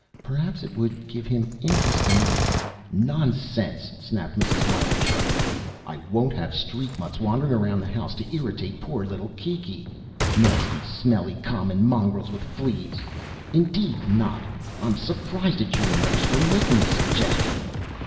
"Perhaps it would give him interest enough ..." "Nonsense!" snapped Mrs. Wiley sharply. "I won't have street mutts wandering around the house to irritate poor little Kiki. Nasty smelly common mongrels with fleas. Indeed not. I'm surprised at you, nurse, for making the suggestion."